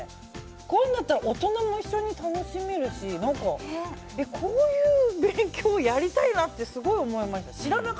こういうのなら大人も一緒に楽しめるしこういう勉強やりたいなってすごい思いました。